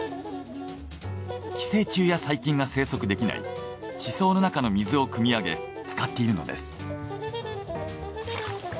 寄生虫や細菌が生息できない地層の中の水をくみ上げ使っているのです。